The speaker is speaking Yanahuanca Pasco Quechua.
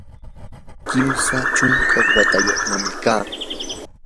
kimsa chunka watayuqnami kaa.